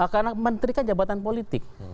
karena menteri kan jabatan politik